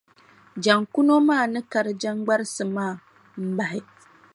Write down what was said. Jaŋkuno maa ni kari jaŋgbarisi maa m-bahi.